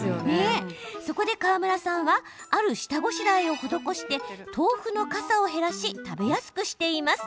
そこで河村さんはある下ごしらえを施して豆腐のかさを減らし食べやすくします。